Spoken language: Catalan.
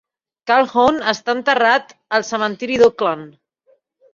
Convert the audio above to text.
Calhoun està enterrat al cementiri d'Oakland.